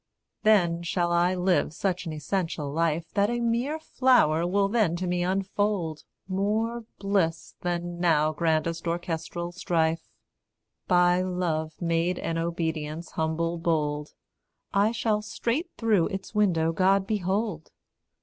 Then shall I live such an essential life That a mere flower will then to me unfold More bliss than now grandest orchestral strife By love made and obedience humble bold, I shall straight through its window God behold.